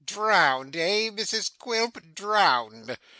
Drowned, eh, Mrs Quilp! Drowned!